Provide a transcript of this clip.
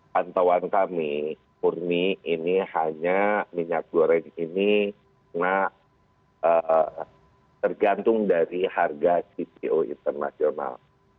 pantauan kami murni ini hanya minyak goreng ini tergantung dari harga cpo internasional